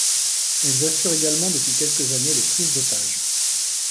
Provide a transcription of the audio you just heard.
Elles assurent également depuis quelques années les prises d’otages.